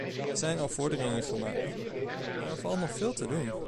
Er zijn al vorderingen gemaakt, maar er valt nog veel te doen.